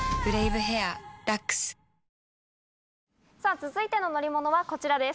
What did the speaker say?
続いての乗り物はこちらです。